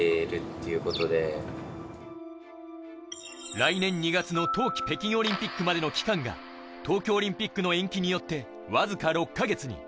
来年２月の冬季北京オリンピックまでの期間が東京オリンピックの延期によってわずか６カ月に。